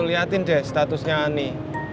lu liatin deh statusnya nih